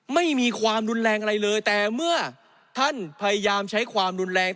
ไม่มีความรุนแรงอะไรเลยแต่เมื่อท่านพยายามใช้ความรุนแรง